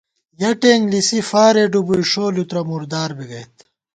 یَہ ٹېنک لِسی فارے ڈُبُوئی ݭو لُترہ مُردار بی گئیت